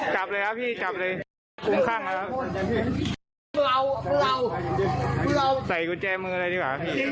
แคดดี้แคดดี้ผังหรอโจนวันต้ึกหลับเลยครับ